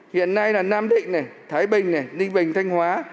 hiện nay là nam định này thái bình này ninh bình thanh hóa